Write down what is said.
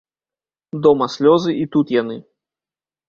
Дома слёзы, і тут яны.